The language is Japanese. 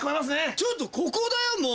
ちょっとここだよもう！